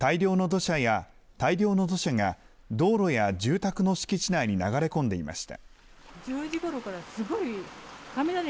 大量の土砂が道路や住宅の敷地内に流れ込んでいました。